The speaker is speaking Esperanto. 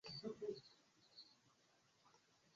La geografia origino ankoraŭ ne estas klara.